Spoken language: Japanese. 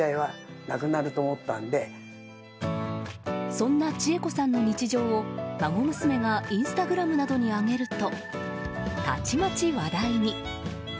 そんな千恵子さんの日常を孫娘がインスタグラムなどに上げるとたちまち話題に。